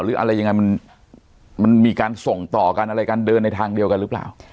หรืออะไรยังไงมันมีการส่งต่อกันอะไรกันเดินในทางเดียวกันหรือเปล่า